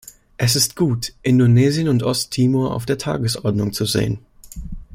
Es ist gut, Indonesien und Ost-Timor auf der Tagesordnung zu sehen.